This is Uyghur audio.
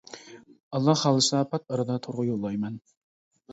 ئاللا خالىسا پات ئاردا تورغا يوللايمەن.